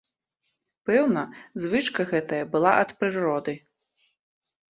Пэўна, звычка гэтая была ад прыроды.